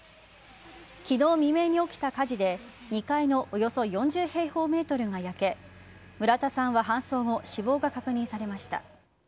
昨日未明に起きた火事で２階のおよそ４０平方ｍが焼け村田さんは搬送後、死亡が確認されました。